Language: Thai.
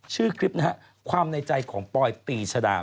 ชื่อคลิปนะฮะความในใจของปอยปีชดา